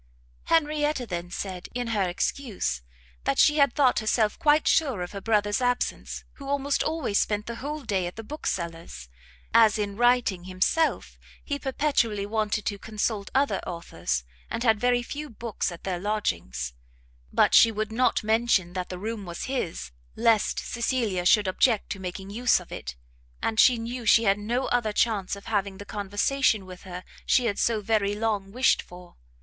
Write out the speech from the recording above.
Henrietta then said, in her excuse, that she had thought herself quite sure of her brother's absence, who almost always spent the whole day at the bookseller's, as in writing himself he perpetually wanted to consult other authors, and had very few books at their lodgings: but she would not mention that the room was his, lest Cecilia should object to making use of it, and she knew she had no other chance of having the conversation with her she had so very long wished for.